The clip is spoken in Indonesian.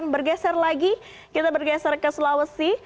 bergeser lagi kita bergeser ke sulawesi